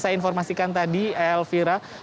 saya informasikan tadi elvira